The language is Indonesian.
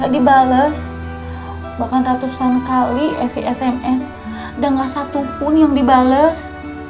dan gak satupun yang dibales